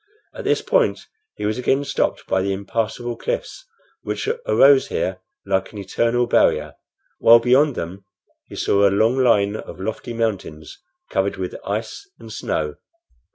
At this point he was again stopped by the impassable cliffs, which arose here like an eternal barrier, while beyond them he saw a long line of lofty mountains covered with ice and snow."